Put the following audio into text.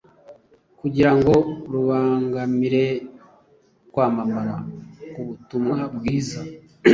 kugira ngo rubangamire kwamamara k’ubutumwa bwiza